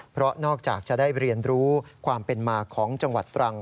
เพราะนอกจากจะได้เรียนรู้ความเป็นมาของจังหวัดตรัง